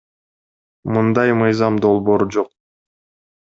Мындай мыйзам долбоор жок.